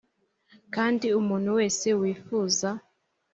kandi umuntu wese wifuza